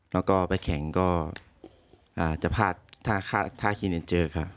แล้วก็ไปแข่งก็จะพลาดท่าท่าทีเนินเจอกครับ